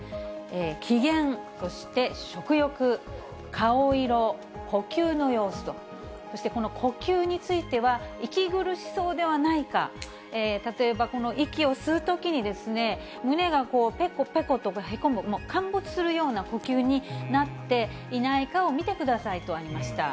機嫌、そして食欲、顔色、呼吸の様子と、そして、この呼吸については息苦しそうではないか、例えば息を吸うときに胸がこう、ぺこぺことへこむ、陥没するような呼吸になっていないかを見てくださいとありました。